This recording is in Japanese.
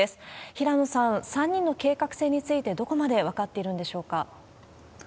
平野さん、３人の計画性についてどこまで分かっているんでしょうか？